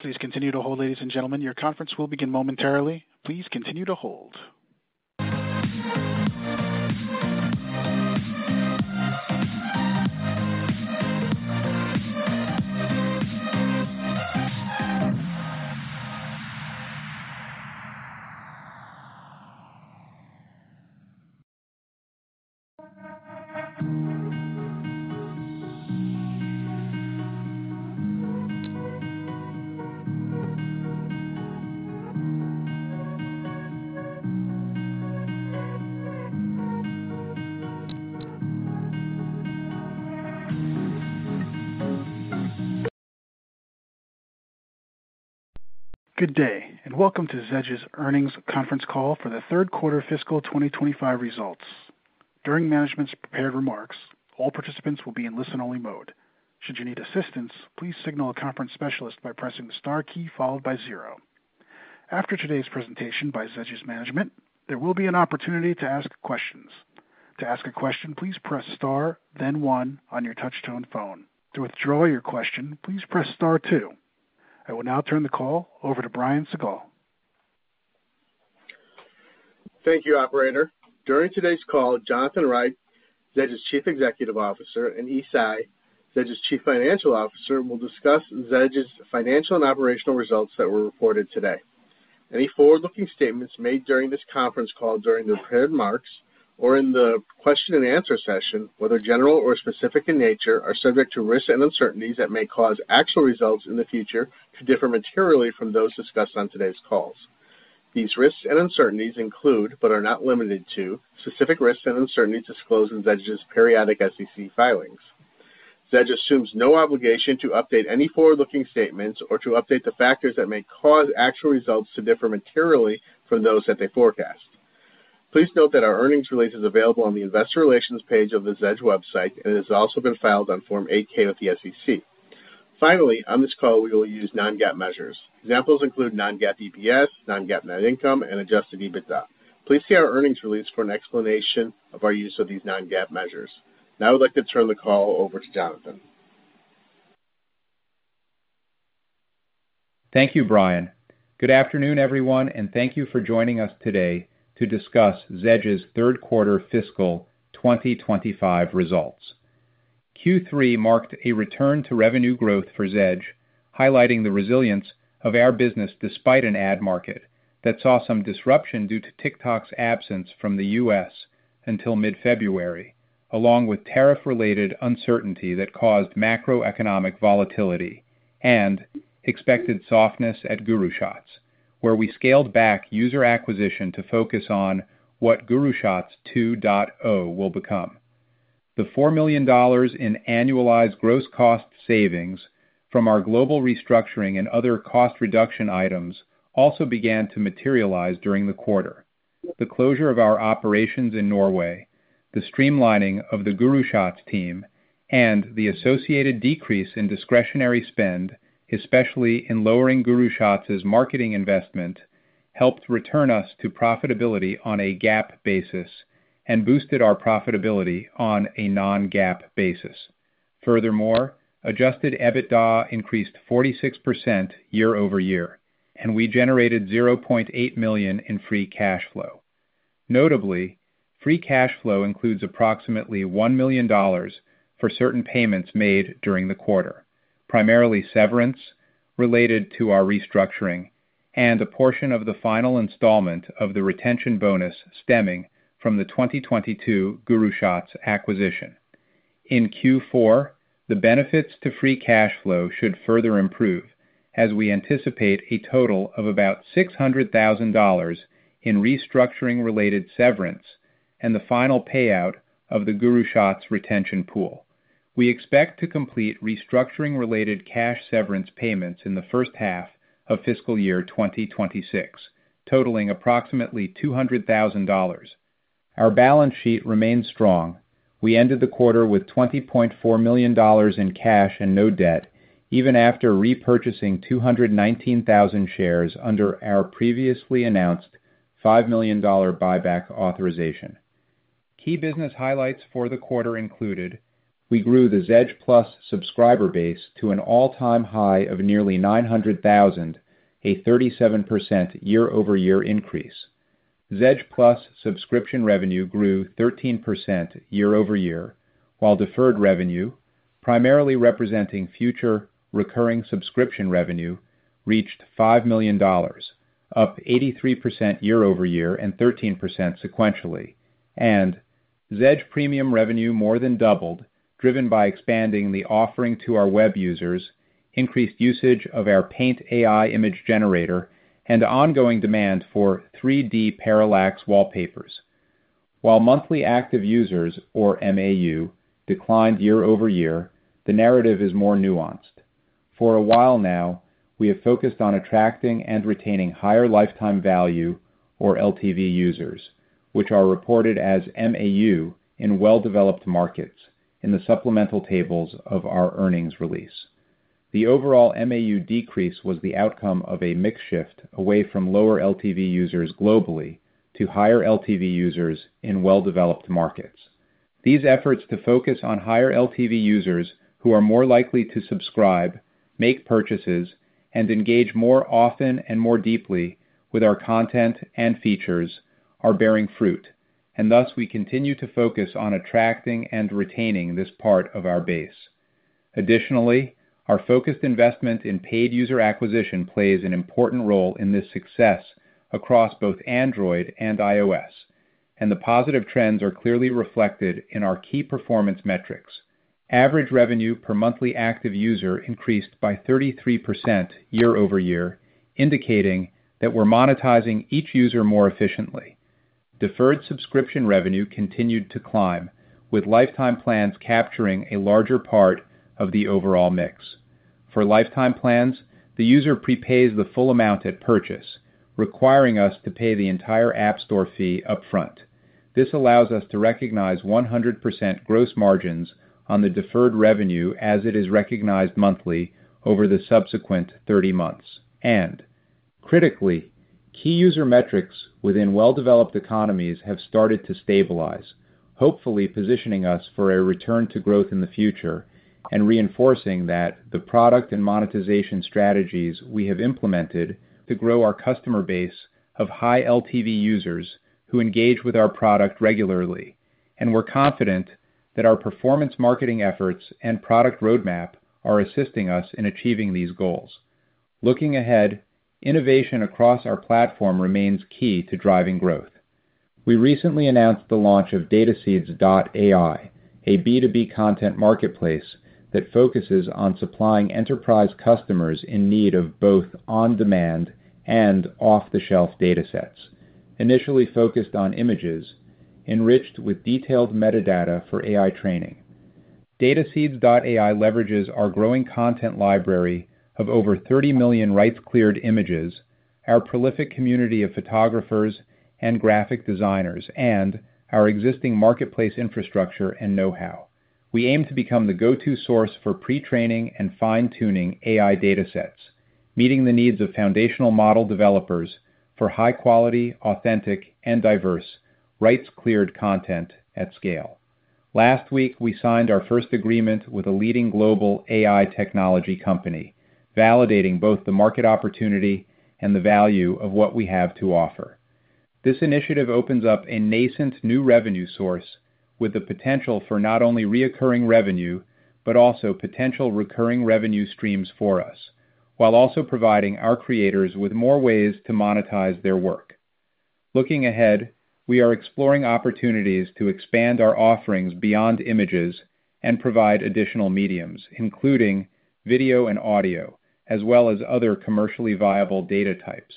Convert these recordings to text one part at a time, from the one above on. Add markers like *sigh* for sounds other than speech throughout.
Please continue to hold, ladies and gentlemen. Your conference will begin momentarily. Please continue to hold. Good day, and welcome to Zedge's earnings conference call for the third quarter fiscal 2025 results. During management's prepared remarks, all participants will be in listen-only mode. Should you need assistance, please signal a conference specialist by pressing the star key followed by zero. After today's presentation by Zedge's management, there will be an opportunity to ask questions. To ask a question, please press star, then one on your touch-tone phone. To withdraw your question, please press star two. I will now turn the call over to Brian Siegel. Thank you, Operator. During today's call, Jonathan Reich, Zedge's Chief Executive Officer, and Yi Tsai, Zedge's Chief Financial Officer, will discuss Zedge's financial and operational results that were reported today. Any forward-looking statements made during this conference call during the prepared remarks or in the question-and-answer session, whether general or specific in nature, are subject to risks and uncertainties that may cause actual results in the future to differ materially from those discussed on today's calls. These risks and uncertainties include, but are not limited to, specific risks and uncertainties disclosed in Zedge's periodic SEC filings. Zedge assumes no obligation to update any forward-looking statements or to update the factors that may cause actual results to differ materially from those that they forecast. Please note that our earnings release is available on the investor relations page of the Zedge website, and it has also been filed on Form 8K with the SEC. Finally, on this call, we will use non-GAAP measures. Examples include non-GAAP EPS, non-GAAP net income, and Adjusted EBITDA. Please see our earnings release for an explanation of our use of these non-GAAP measures. Now I'd like to turn the call over to Jonathan. Thank you, Brian. Good afternoon, everyone, and thank you for joining us today to discuss Zedge's third quarter fiscal 2025 results. Q3 marked a return to revenue growth for Zedge, highlighting the resilience of our business despite an ad market that saw some disruption due to TikTok's absence from the U.S. until mid-February, along with tariff-related uncertainty that caused macroeconomic volatility and expected softness at GuruShots, where we scaled back user acquisition to focus on what GuruShots 2.0 will become. The $4 million in annualized gross cost savings from our global restructuring and other cost reduction items also began to materialize during the quarter: the closure of our operations in Norway, the streamlining of the GuruShots team, and the associated decrease in discretionary spend, especially in lowering GuruShots' marketing investment, helped return us to profitability on a GAAP basis and boosted our profitability on a non-GAAP basis. Furthermore, adjusted EBITDA increased 46% year over year, and we generated $0.8 million in free cash flow. Notably, free cash flow includes approximately $1 million for certain payments made during the quarter, primarily severance related to our restructuring and a portion of the final installment of the retention bonus stemming from the 2022 GuruShots acquisition. In Q4, the benefits to free cash flow should further improve, as we anticipate a total of about $600,000 in restructuring-related severance and the final payout of the GuruShots retention pool. We expect to complete restructuring-related cash severance payments in the first half of fiscal year 2026, totaling approximately $200,000. Our balance sheet remains strong. We ended the quarter with $20.4 million in cash and no debt, even after repurchasing 219,000 shares under our previously announced $5 million buyback authorization. Key business highlights for the quarter included: we grew the Zedge Plus subscriber base to an all-time high of nearly 900,000, a 37% year-over-year increase. Zedge Plus subscription revenue grew 13% year-over-year, while deferred revenue, primarily representing future recurring subscription revenue, reached $5 million, up 83% year-over-year and 13% sequentially. Zedge Premium revenue more than doubled, driven by expanding the offering to our web users, increased usage of our Paint AI image generator, and ongoing demand for 3D Parallax Wallpapers. While monthly active users, or MAU, declined year-over-year, the narrative is more nuanced. For a while now, we have focused on attracting and retaining higher lifetime value, or LTV, users, which are reported as MAU in well-developed markets, in the supplemental tables of our earnings release. The overall MAU decrease was the outcome of a mix shift away from lower LTV users globally to higher LTV users in well-developed markets. These efforts to focus on higher LTV users who are more likely to subscribe, make purchases, and engage more often and more deeply with our content and features are bearing fruit, and thus we continue to focus on attracting and retaining this part of our base. Additionally, our focused investment in paid user acquisition plays an important role in this success across both Android and iOS, and the positive trends are clearly reflected in our key performance metrics. Average revenue per monthly active user increased by 33% year-over-year, indicating that we're monetizing each user more efficiently. Deferred subscription revenue continued to climb, with lifetime plans capturing a larger part of the overall mix. For lifetime plans, the user prepays the full amount at purchase, requiring us to pay the entire app store fee upfront. This allows us to recognize 100% gross margins on the deferred revenue as it is recognized monthly over the subsequent 30 months. Critically, key user metrics within well-developed economies have started to stabilize, hopefully positioning us for a return to growth in the future and reinforcing that the product and monetization strategies we have implemented to grow our customer base of high LTV users who engage with our product regularly. We are confident that our performance marketing efforts and product roadmap are assisting us in achieving these goals. Looking ahead, innovation across our platform remains key to driving growth. We recently announced the launch of DataSeeds.ai, a B2B content marketplace that focuses on supplying enterprise customers in need of both on-demand and off-the-shelf datasets, initially focused on images, enriched with detailed metadata for AI training. DataSeeds.ai leverages our growing content library of over 30 million rights-cleared images, our prolific community of photographers and graphic designers, and our existing marketplace infrastructure and know-how. We aim to become the go-to source for pre-training and fine-tuning AI datasets, meeting the needs of foundational model developers for high-quality, authentic, and diverse rights-cleared content at scale. Last week, we signed our first agreement with a leading global AI technology company, validating both the market opportunity and the value of what we have to offer. This initiative opens up a nascent new revenue source with the potential for not only reoccurring revenue but also potential recurring revenue streams for us, while also providing our creators with more ways to monetize their work. Looking ahead, we are exploring opportunities to expand our offerings beyond images and provide additional mediums, including video and audio, as well as other commercially viable data types.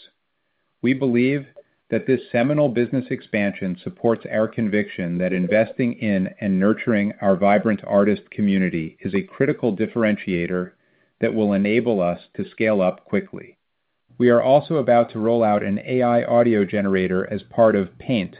We believe that this seminal business expansion supports our conviction that investing in and nurturing our vibrant artist community is a critical differentiator that will enable us to scale up quickly. We are also about to roll out an AI Audio Generator as part of Paint,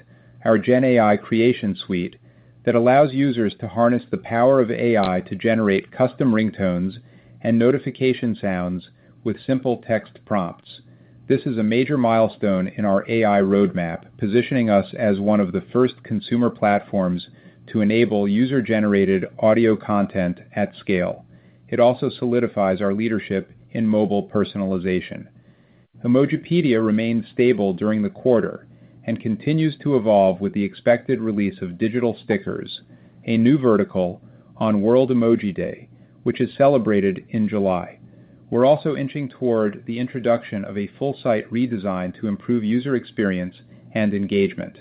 our GenAI creation suite that allows users to harness the power of AI to generate custom ringtones and notification sounds with simple text prompts. This is a major milestone in our AI roadmap, positioning us as one of the first consumer platforms to enable user-generated audio content at scale. It also solidifies our leadership in mobile personalization. Emojipedia remained stable during the quarter and continues to evolve with the expected release of Digital Stickers, a new vertical on World Emoji Day, which is celebrated in July. We're also inching toward the introduction of a full-site redesign to improve user experience and engagement.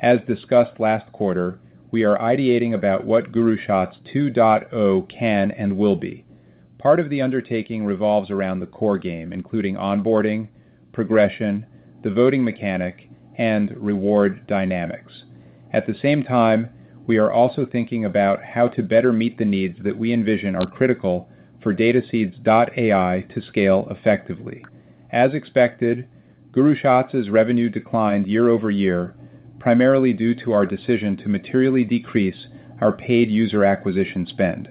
As discussed last quarter, we are ideating about what GuruShots 2.0 can and will be. Part of the undertaking revolves around the core game, including onboarding, progression, the voting mechanic, and reward dynamics. At the same time, we are also thinking about how to better meet the needs that we envision are critical for DataSeeds.ai to scale effectively. As expected, GuruShots' revenue declined year-over-year, primarily due to our decision to materially decrease our paid user acquisition spend.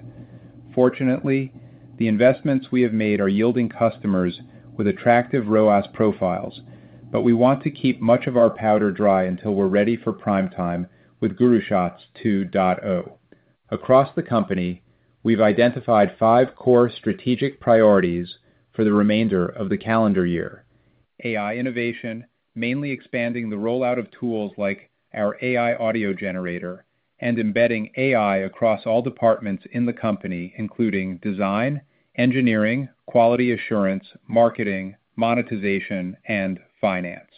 Fortunately, the investments we have made are yielding customers with attractive ROAS profiles, but we want to keep much of our powder dry until we're ready for prime time with GuruShots 2.0. Across the company, we've identified five core strategic priorities for the remainder of the calendar year: AI innovation, mainly expanding the rollout of tools like our AI Audio Generator, and embedding AI across all departments in the company, including design, engineering, quality assurance, marketing, monetization, and finance.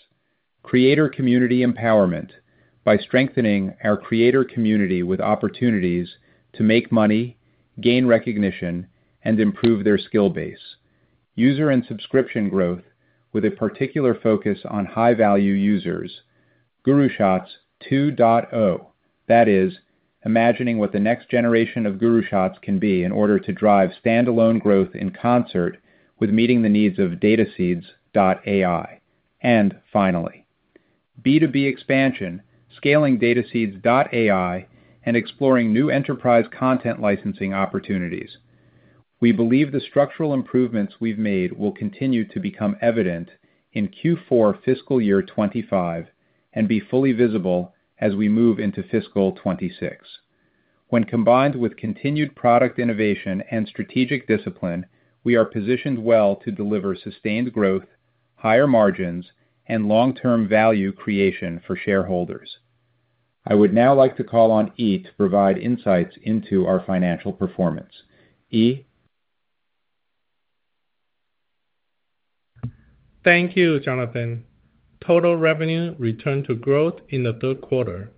Creator community empowerment, by strengthening our creator community with opportunities to make money, gain recognition, and improve their skill base. User and subscription growth, with a particular focus on high-value users. GuruShots 2.0, that is, imagining what the next generation of GuruShots can be in order to drive standalone growth in concert with meeting the needs of DataSeeds.ai. Finally, B2B expansion, scaling DataSeeds.ai and exploring new enterprise content licensing opportunities. We believe the structural improvements we have made will continue to become evident in Q4 fiscal year 2025 and be fully visible as we move into fiscal 2026. When combined with continued product innovation and strategic discipline, we are positioned well to deliver sustained growth, higher margins, and long-term value creation for shareholders. I would now like to call on Yi to provide insights into our financial performance. Yi, thank you, Jonathan. Total revenue returned to growth in the third quarter,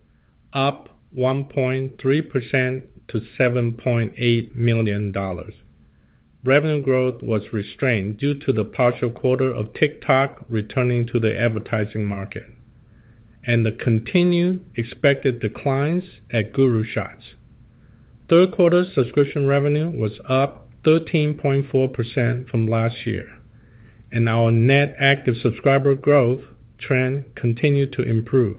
up 1.3% to $7.8 million. Revenue growth was restrained due to the partial quarter of TikTok returning to the advertising market and the continued expected declines at GuruShots. Third quarter subscription revenue was up 13.4% from last year, and our net active subscriber growth trend continued to improve,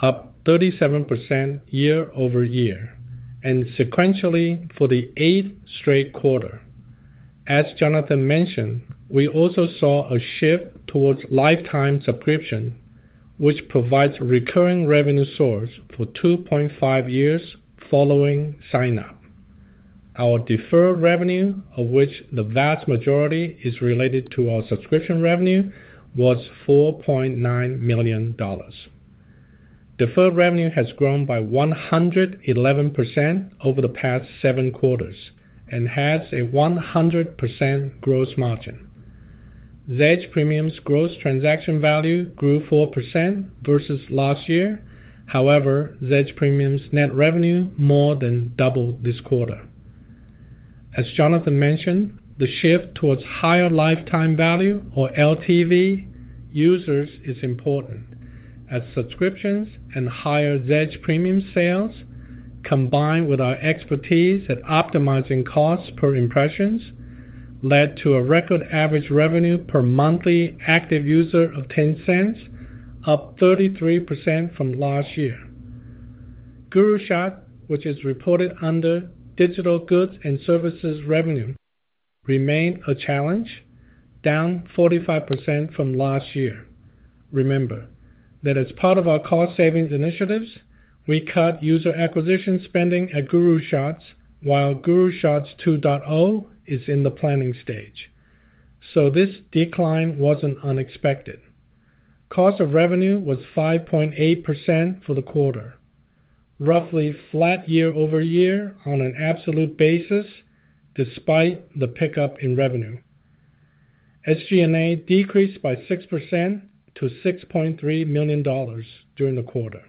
up 37% year-over-year and sequentially for the eighth straight quarter. As Jonathan mentioned, we also saw a shift towards lifetime subscription, which provides a recurring revenue source for 2.5 years following sign-up. Our deferred revenue, of which the vast majority is related to our subscription revenue, was $4.9 million. Deferred revenue has grown by 111% over the past seven quarters and has a 100% gross margin. Zedge Premium's gross transaction value grew 4% versus last year. However, Zedge Premium's net revenue more than doubled this quarter. As Jonathan mentioned, the shift towards higher lifetime value, or LTV, users is important, as subscriptions and higher Zedge Premium sales, combined with our expertise at optimizing costs per impressions, led to a record average revenue per monthly active user of $0.10, up 33% from last year. GuruShots, which is reported under Digital Goods and Services revenue, remained a challenge, down 45% from last year. Remember that as part of our cost-savings initiatives, we cut user acquisition spending at GuruShots, while GuruShots 2.0 is in the planning stage. This decline was not unexpected. Cost of revenue was 5.8% for the quarter, roughly flat year-over-year on an absolute basis, despite the pickup in revenue. SG&A decreased by 6% to $6.3 million during the quarter.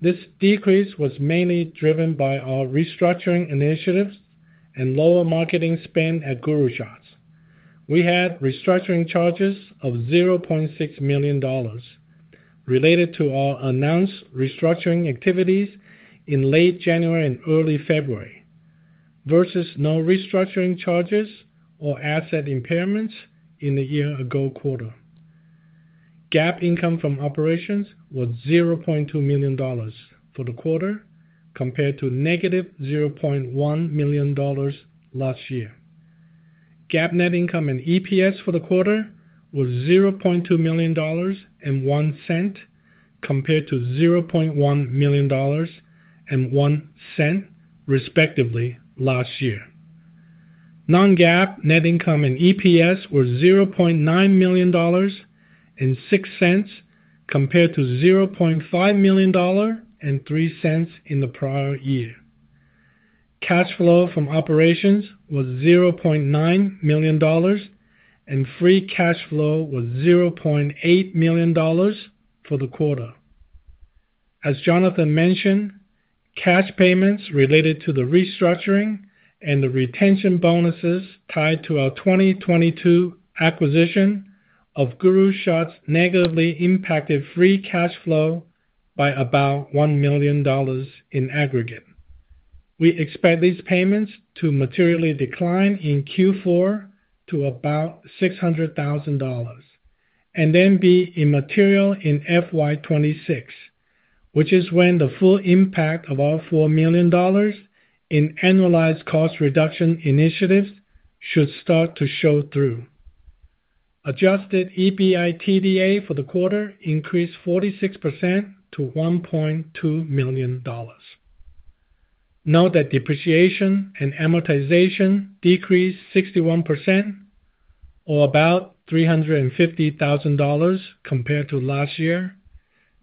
This decrease was mainly driven by our restructuring initiatives and lower marketing spend at GuruShots. We had restructuring charges of $0.6 million related to our announced restructuring activities in late January and early February versus no restructuring charges or asset impairments in the year-ago quarter. GAAP income from operations was $0.2 million for the quarter, compared to negative $0.1 million last year. GAAP net income and EPS for the quarter was $0.2 million and 1 cent, compared to $0.1 million and 1 cent, respectively, last year. Non-GAAP net income and EPS were $0.9 million and 6 cents, compared to $0.5 million and 3 cents in the prior year. Cash flow from operations was $0.9 million, and free cash flow was $0.8 million for the quarter. As Jonathan mentioned, cash payments related to the restructuring and the retention bonuses tied to our 2022 acquisition of GuruShots negatively impacted free cash flow by about $1 million in aggregate. We expect these payments to materially decline in Q4 to about $600,000 and then be immaterial in fiscal year 2026, which is when the full impact of our $4 million in annualized cost reduction initiatives should start to show through. Adjusted EBITDA for the quarter increased 46% to $1.2 million. Note that depreciation and amortization decreased 61%, or about $350,000 compared to last year,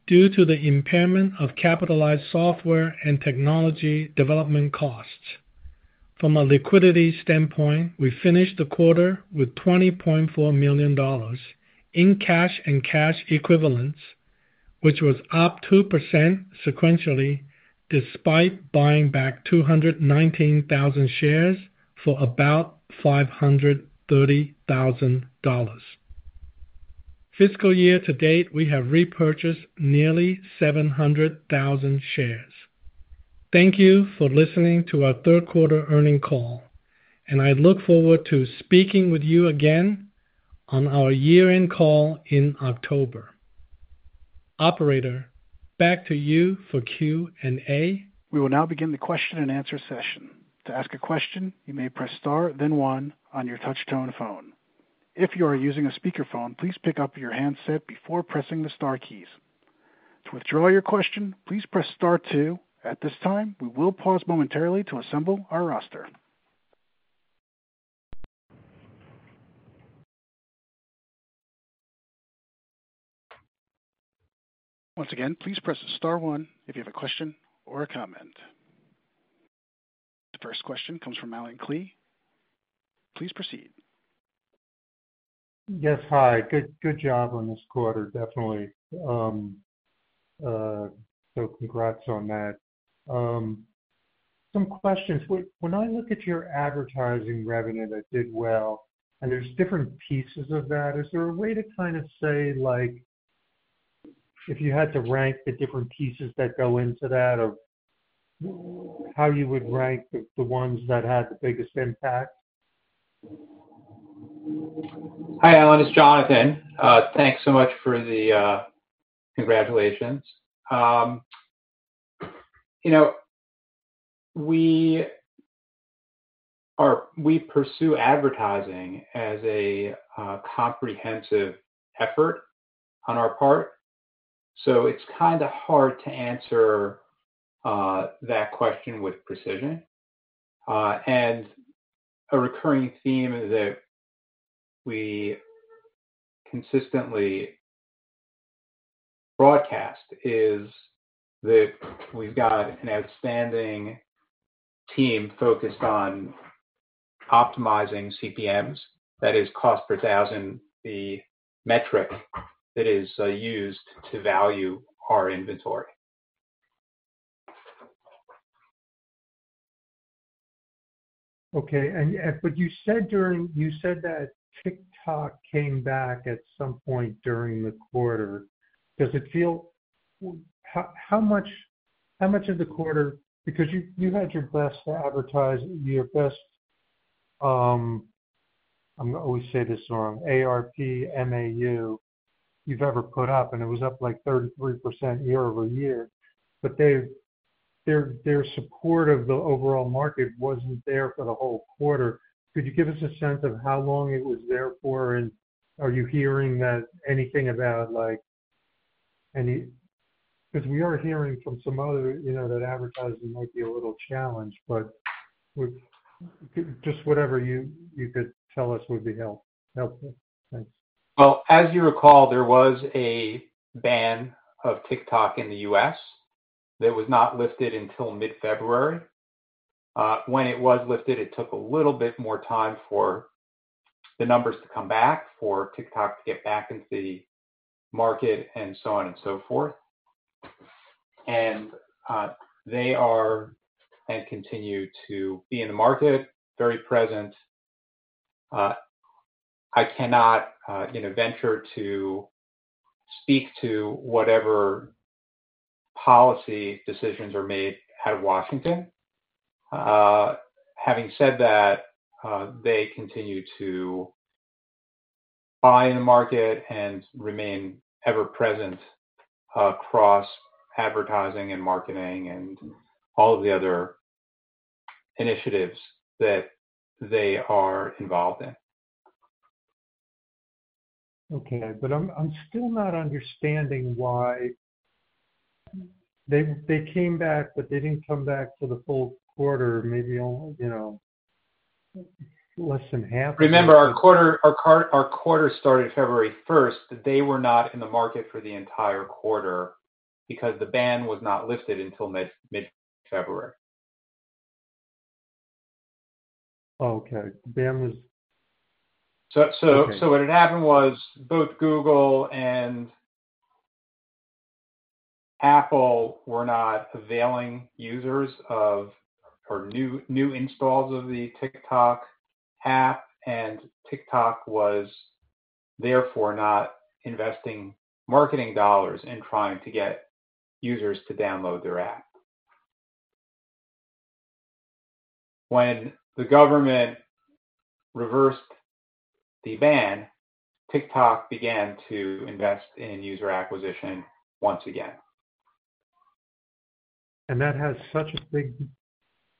due to the impairment of capitalized software and technology development costs. From a liquidity standpoint, we finished the quarter with $20.4 million in cash and cash equivalents, which was up 2% sequentially despite buying back 219,000 shares for about $530,000. Fiscal year to date, we have repurchased nearly 700,000 shares. Thank you for listening to our third quarter earnings call, and I look forward to speaking with you again on our year-end call in October. Operator, back to you for Q&A. We will now begin the question and answer session. To ask a question, you may press star, then one on your touch-tone phone. If you are using a speakerphone, please pick up your handset before pressing the star keys. To withdraw your question, please press star two. At this time, we will pause momentarily to assemble our roster. Once again, please press star one if you have a question or a comment. This first question comes from Allen Klee. Please proceed. Yes, hi. Good job on this quarter, definitely. So congrats on that. Some questions. When I look at your advertising revenue that did well, and there's different pieces of that, is there a way to kind of say, if you had to rank the different pieces that go into that, or how you would rank the ones that had the biggest impact? Hi, Allen. It's Jonathan. Thanks so much for the congratulations. We pursue advertising as a comprehensive effort on our part, so it's kind of hard to answer that question with precision. A recurring theme that we consistently broadcast is that we've got an outstanding team focused on optimizing CPMs, that is, cost per thousand, the metric that is used to value our inventory. Okay. You said that TikTok came back at some point during the quarter. How much of the quarter? Because you had your best advertise, your best—I'm going to always say this wrong—ARPU, MAU, you've ever put up, and it was up like 33% year-over-year. Their support of the overall market wasn't there for the whole quarter. Could you give us a sense of how long it was there for, and are you hearing anything about any? Because we are hearing from some others that advertising might be a little challenged, but just whatever you could tell us would be helpful. Thanks. As you recall, there was a ban of TikTok in the U.S. that was not lifted until mid-February. When it was lifted, it took a little bit more time for the numbers to come back, for TikTok to get back into the market, and so on and so forth. They are and continue to be in the market, very present. I cannot venture to speak to whatever policy decisions are made out of Washington. Having said that, they continue to buy in the market and remain ever-present across advertising and marketing and all of the other initiatives that they are involved in. Okay. I'm still not understanding why they came back, but they didn't come back for the full quarter, maybe less than half. Remember, our quarter started February 1. They were not in the market for the entire quarter because the ban was not lifted until mid-February. Oh, okay. The ban was. *crosstalk* What had happened was both Google and Apple were not availing users of new installs of the TikTok app, and TikTok was therefore not investing marketing dollars in trying to get users to download their app. When the government reversed the ban, TikTok began to invest in user acquisition once again. That has such a big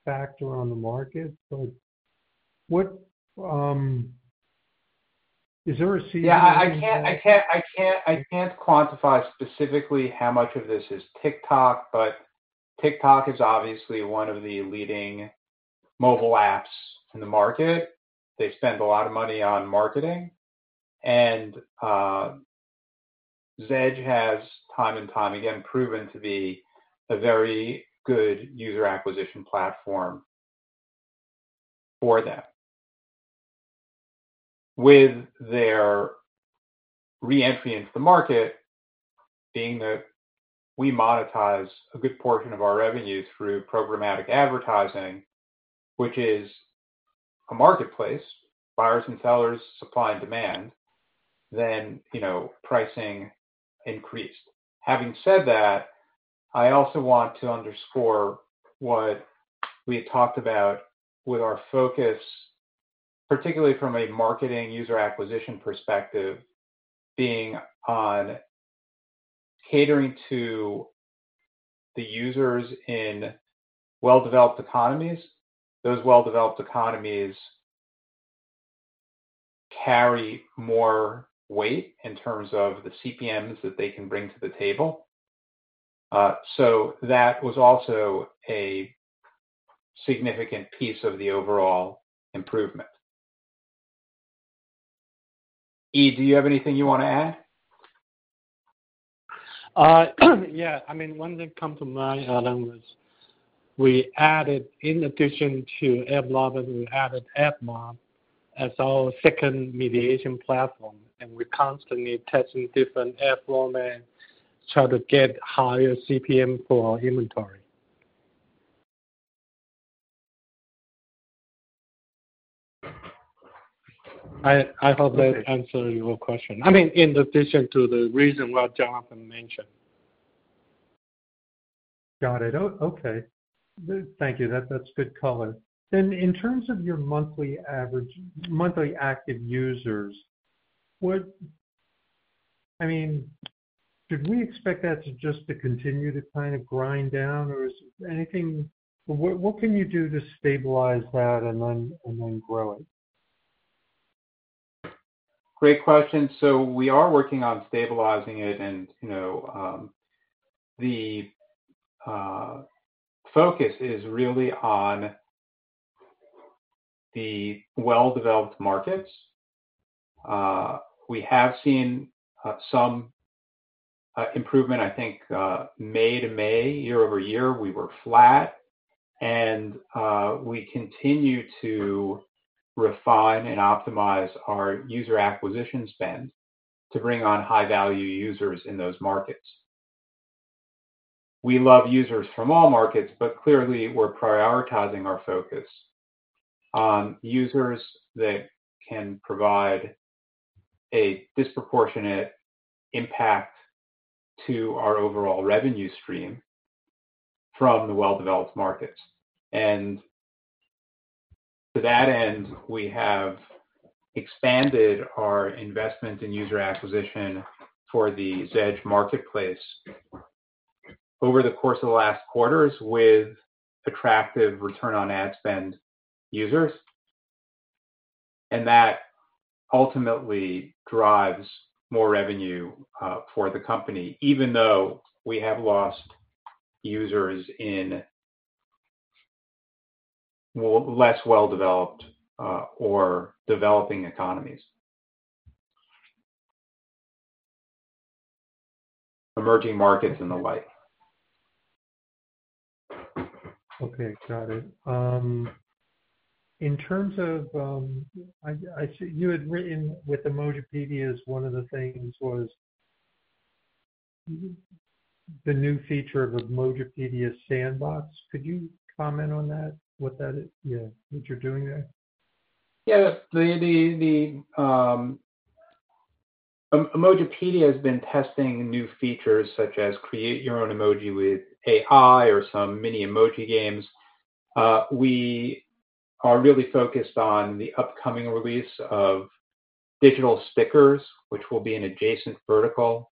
factor on the market. Is there a seasonal? Yeah. I can't quantify specifically how much of this is TikTok, but TikTok is obviously one of the leading mobile apps in the market. They spend a lot of money on marketing. Zedge has, time and time again, proven to be a very good user acquisition platform for them. With their reentry into the market, being that we monetize a good portion of our revenue through programmatic advertising, which is a marketplace, buyers and sellers, supply and demand, pricing increased. Having said that, I also want to underscore what we had talked about with our focus, particularly from a marketing user acquisition perspective, being on catering to the users in well-developed economies. Those well-developed economies carry more weight in terms of the CPMs that they can bring to the table. That was also a significant piece of the overall improvement. Yi, do you have anything you want to add? Yeah. I mean, one thing that comes to mind, Alan, was we added, in addition to AdMob, we added AppLovin as our second mediation platform, and we're constantly testing different platforms and trying to get higher CPM for our inventory. I hope that answers your question. I mean, in addition to the reason what Jonathan mentioned. Got it. Okay. Thank you. That's good color. In terms of your monthly active users, I mean, should we expect that to just continue to kind of grind down, or is there anything? What can you do to stabilize that and then grow it? Great question. We are working on stabilizing it, and the focus is really on the well-developed markets. We have seen some improvement, I think, May to May, year-over-year. We were flat, and we continue to refine and optimize our user acquisition spend to bring on high-value users in those markets. We love users from all markets, but clearly, we're prioritizing our focus on users that can provide a disproportionate impact to our overall revenue stream from the well-developed markets. To that end, we have expanded our investment in user acquisition for the Zedge Marketplace over the course of the last quarters with attractive return on ad spend users. That ultimately drives more revenue for the company, even though we have lost users in less well-developed or developing economies, emerging markets, and the like. Okay. Got it. In terms of you had written with Emojipedia as one of the things was the new feature of Emojipedia Sandbox. Could you comment on that, what you're doing there? Yeah. Emojipedia has been testing new features such as create your own emoji with AI or some mini emoji games. We are really focused on the upcoming release of digital stickers, which will be an adjacent vertical,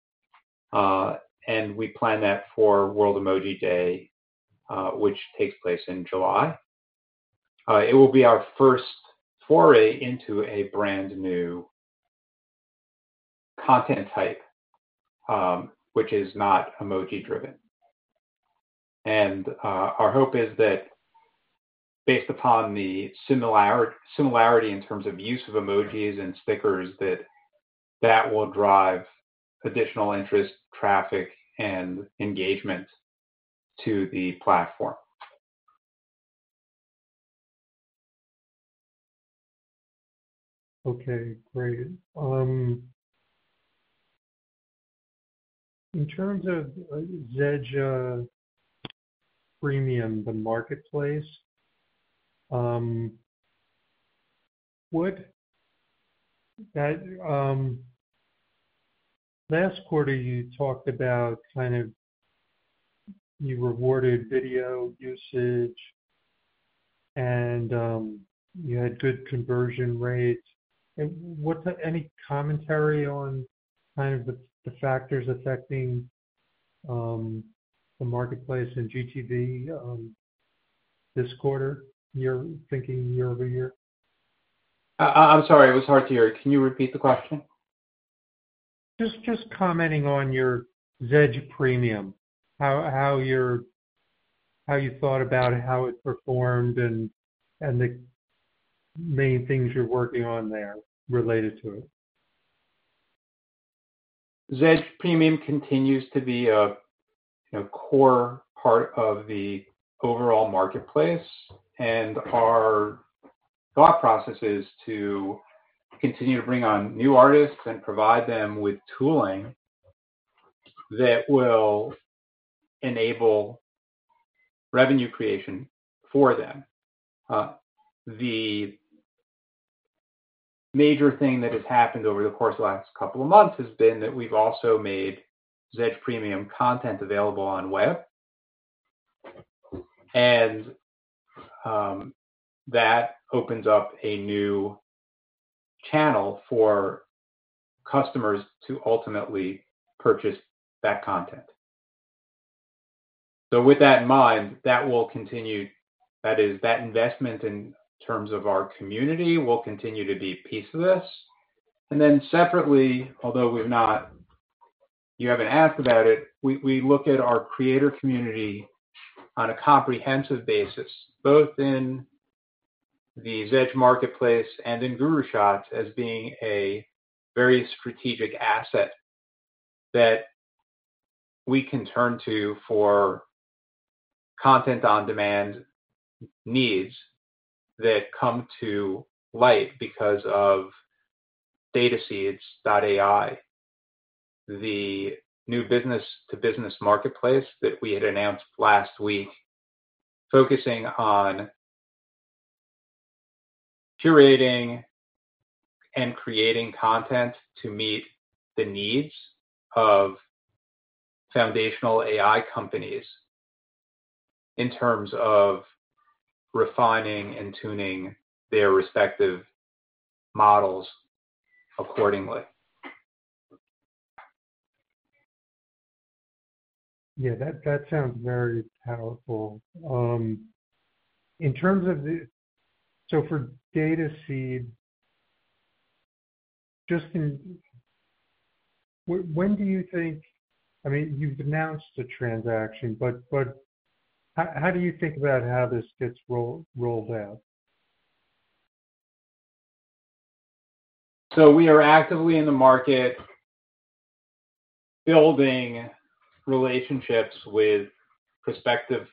and we plan that for World Emoji Day, which takes place in July. It will be our first foray into a brand new content type, which is not emoji-driven. Our hope is that, based upon the similarity in terms of use of emojis and stickers, that that will drive additional interest, traffic, and engagement to the platform. Okay. Great. In terms of Zedge Premium Marketplace, last quarter, you talked about kind of you rewarded video usage, and you had good conversion rates. Any commentary on kind of the factors affecting the marketplace and GTV this quarter, thinking year-over-year? I'm sorry. It was hard to hear. Can you repeat the question? Just commenting on your Zedge Premium, how you thought about how it performed and the main things you're working on there related to it. Zedge Premium continues to be a core part of the overall marketplace, and our thought process is to continue to bring on new artists and provide them with tooling that will enable revenue creation for them. The major thing that has happened over the course of the last couple of months has been that we've also made Zedge Premium content available on web, and that opens up a new channel for customers to ultimately purchase that content. With that in mind, that will continue; that is, that investment in terms of our community will continue to be piece of this. Then separately, although you have not asked about it, we look at our creator community on a comprehensive basis, both in the Zedge Marketplace and in GuruShots, as being a very strategic asset that we can turn to for content-on-demand needs that come to light because of DataSeeds.ai, the new business-to-business marketplace that we had announced last week, focusing on curating and creating content to meet the needs of foundational AI companies in terms of refining and tuning their respective models accordingly. Yeah. That sounds very powerful. In terms of the—for DataSeeds.ai, just when do you think—I mean, you have announced a transaction, but how do you think about how this gets rolled out? We are actively in the market building relationships with prospective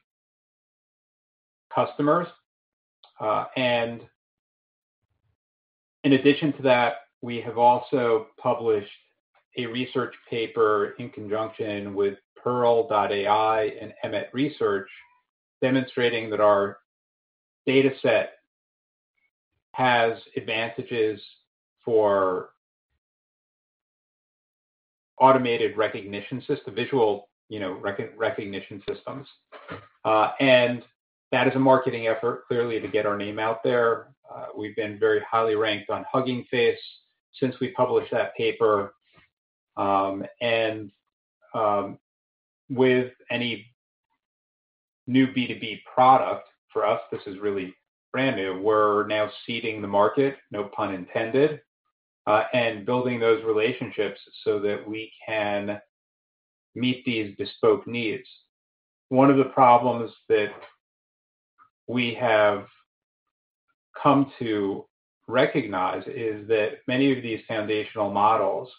customers. In addition to that, we have also published a research paper in conjunction with Pearl.ai and Emmet Research, demonstrating that our dataset has advantages for automated recognition systems, visual recognition systems. That is a marketing effort, clearly, to get our name out there. We have been very highly ranked on Hugging Face since we published that paper. With any new B2B product—for us, this is really brand new—we are now seeding the market, no pun intended, and building those relationships so that we can meet these bespoke needs. One of the problems that we have come to recognize is that many of these foundational models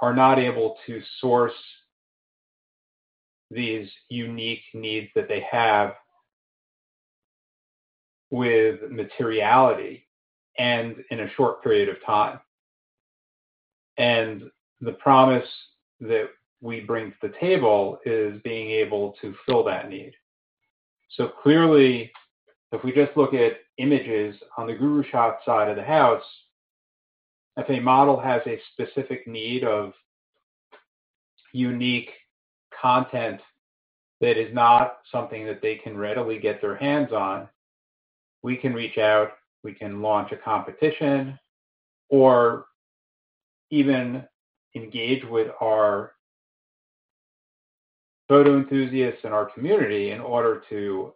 are not able to source these unique needs that they have with materiality and in a short period of time. The promise that we bring to the table is being able to fill that need. If we just look at images on the GuruShots side of the house, if a model has a specific need of unique content that is not something that they can readily get their hands on, we can reach out. We can launch a competition or even engage with our photo enthusiasts in our community in order to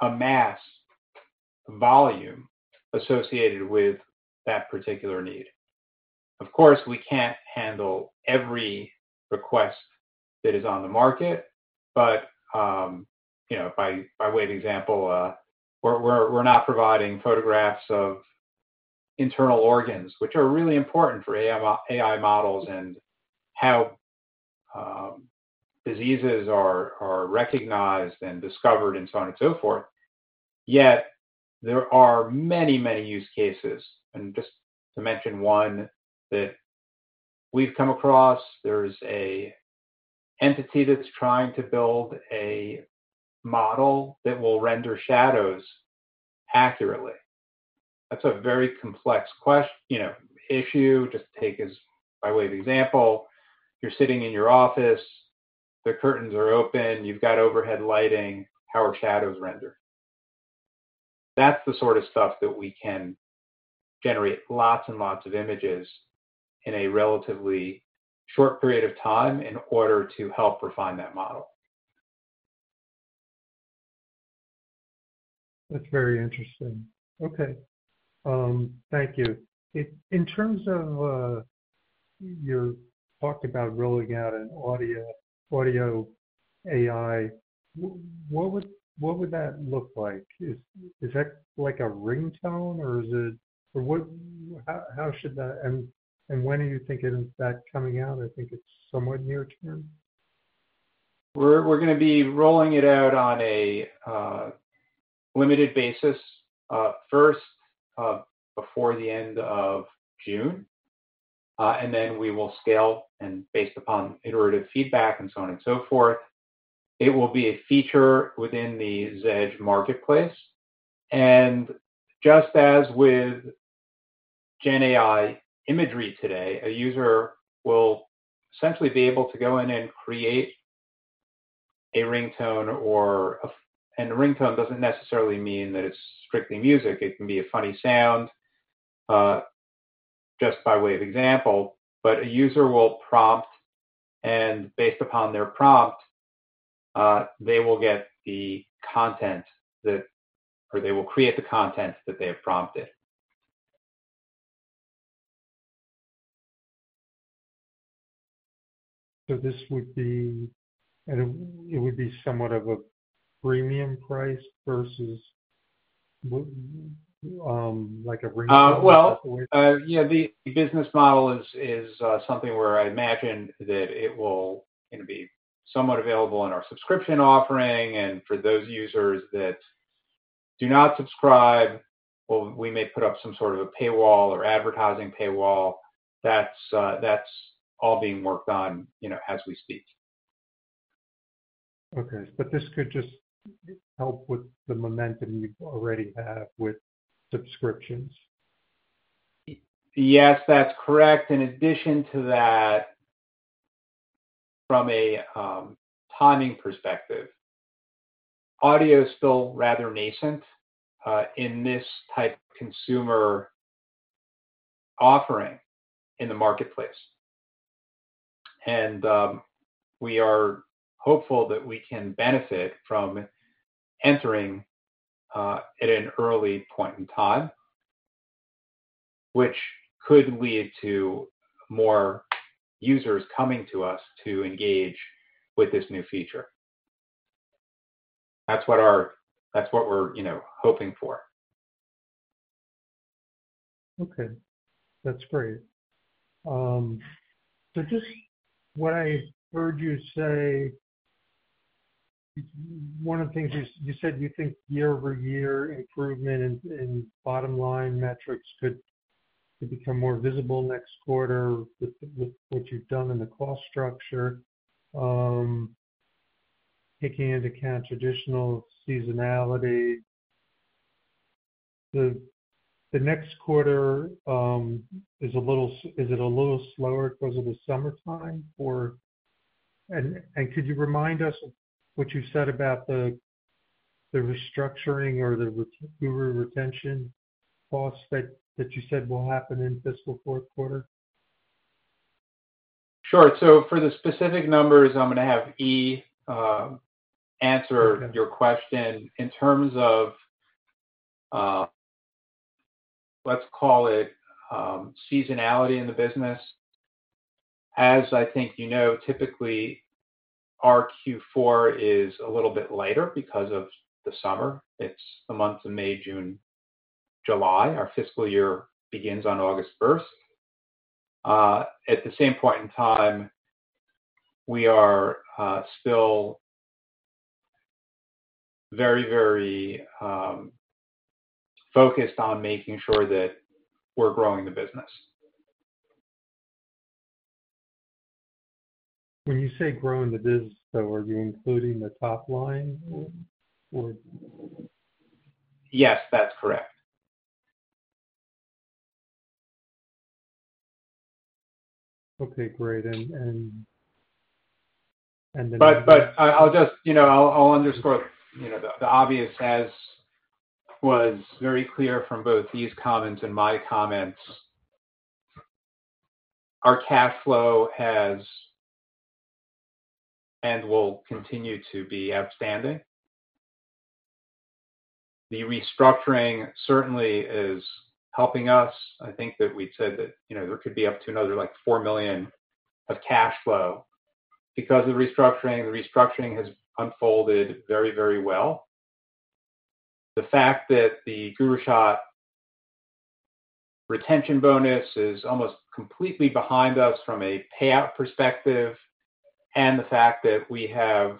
amass volume associated with that particular need. Of course, we can't handle every request that is on the market, but by way of example, we're not providing photographs of internal organs, which are really important for AI models and how diseases are recognized and discovered and so on and so forth. Yet there are many, many use cases. Just to mention one that we've come across, there's an entity that's trying to build a model that will render shadows accurately. That's a very complex issue. Just to take as by way of example, you're sitting in your office, the curtains are open, you've got overhead lighting. How are shadows rendered? That's the sort of stuff that we can generate lots and lots of images in a relatively short period of time in order to help refine that model. That's very interesting. Okay. Thank you. In terms of your talk about rolling out an audio AI, what would that look like? Is that like a ringtone, or is it—how should that—and when are you thinking of that coming out? I think it's somewhat near term. We're going to be rolling it out on a limited basis first before the end of June, and then we will scale and, based upon iterative feedback and so on and so forth, it will be a feature within the Zedge Marketplace. Just as with GenAI imagery today, a user will essentially be able to go in and create a ringtone, and a ringtone does not necessarily mean that it is strictly music. It can be a funny sound, just by way of example, but a user will prompt, and based upon their prompt, they will get the content that—or they will create the content that they have prompted. This would be—and it would be somewhat of a premium price versus a ringtone? Yeah. The business model is something where I imagine that it will be somewhat available in our subscription offering. For those users that do not subscribe, we may put up some sort of a paywall or advertising paywall. That is all being worked on as we speak. Okay. This could just help with the momentum you already have with subscriptions. Yes, that is correct. In addition to that, from a timing perspective, audio is still rather nascent in this type of consumer offering in the marketplace. We are hopeful that we can benefit from entering at an early point in time, which could lead to more users coming to us to engage with this new feature. That's what we're hoping for. Okay. That's great. Just what I heard you say, one of the things you said, you think year-over-year improvement in bottom-line metrics could become more visible next quarter with what you've done in the cost structure, taking into account traditional seasonality. The next quarter, is it a little slower because of the summertime? Could you remind us what you said about the restructuring or the Guru retention costs that you said will happen in fiscal fourth quarter? Sure. For the specific numbers, I'm going to have Yi answer your question. In terms of, let's call it, seasonality in the business, as I think you know, typically our Q4 is a little bit lighter because of the summer. It's the month of May, June, July. Our fiscal year begins on August 1. At the same point in time, we are still very, very focused on making sure that we're growing the business. When you say growing the business, though, are you including the top line? Yes, that's correct. Okay. Great. I'll just underscore the obvious, which was very clear from both these comments and my comments. Our cash flow has and will continue to be outstanding. The restructuring certainly is helping us. I think that we'd said that there could be up to another $4 million of cash flow. Because of the restructuring, the restructuring has unfolded very, very well. The fact that the GuruShots retention bonus is almost completely behind us from a payout perspective, and the fact that we have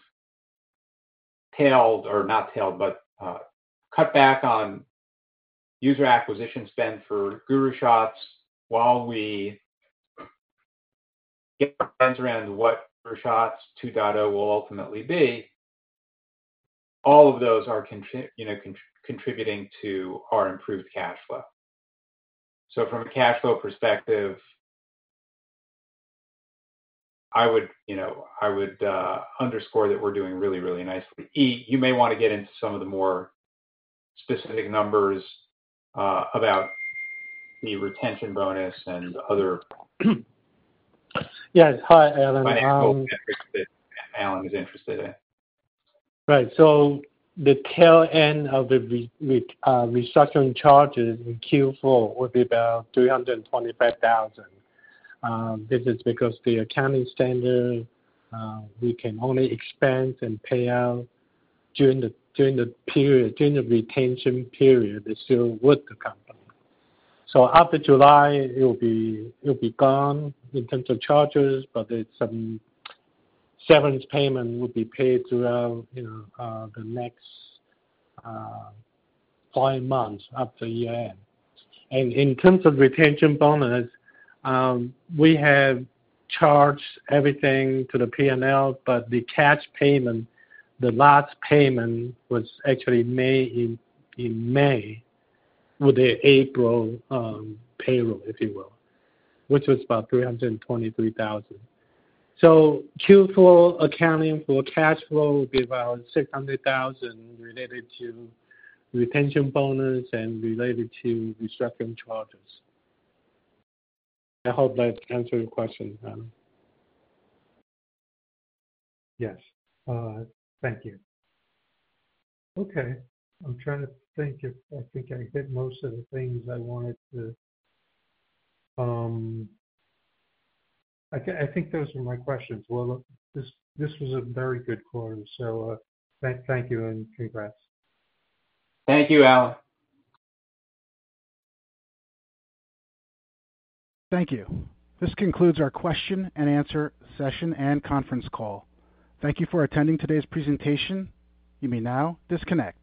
tailed or not tailed, but cut back on user acquisition spend for GuruShots while we get our hands around what GuruShots 2.0 will ultimately be, all of those are contributing to our improved cash flow. From a cash flow perspective, I would underscore that we're doing really, really nicely. Yi, you may want to get into some of the more specific numbers about the retention bonus and other. Yeah. Hi, Alan. I hope. Alan is interested in. Right. The tail end of the restructuring charges in Q4 would be about $325,000. This is because the accounting standard we can only expense and pay out during the retention period that's still with the company. After July, it will be gone in terms of charges, but some severance payment will be paid throughout the next five months after year-end. In terms of retention bonus, we have charged everything to the P&L, but the cash payment, the last payment was actually made in May with the April payroll, if you will, which was about $323,000. Q4 accounting for cash flow would be about $600,000 related to retention bonus and related to restructuring charges. I hope that answers your question, Alan. Yes. Thank you. I am trying to think if I think I hit most of the things I wanted to. I think those are my questions. This was a very good quarter. Thank you and congrats. Thank you, Alan. Thank you. This concludes our question and answer session and conference call. Thank you for attending today's presentation. You may now disconnect.